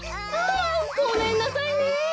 あごめんなさいね。